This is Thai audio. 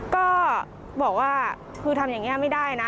ก็บอกว่าคือทำอย่างนี้ไม่ได้นะ